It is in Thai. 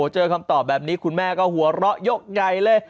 คำตอบแบบนี้คุณแม่ก็หัวเราะยกใหญ่เลย